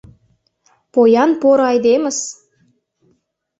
Поян поро айдемыс!..